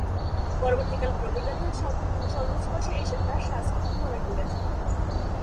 পরবর্তীকালে রবীন্দ্রনাথের সংস্পর্শে এসে তার সাংস্কৃতিক মনের বিকাশ ঘটে।